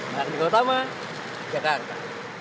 dan terutama di jakarta